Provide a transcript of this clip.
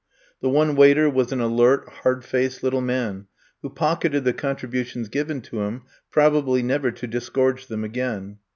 The one waiter was an alert, hard faced little man, who pocketed the contributions given to him probably never to disgorge them again.